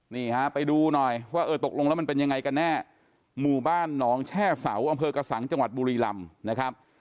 นี่ฮะไปดูหน่อยว่าเออตกลงแล้วมันเป็นยังไงกันแน่หมู่บ้านหนองแช่เสาอำเภอกระสังจังหวัดบุรีลำนะครับ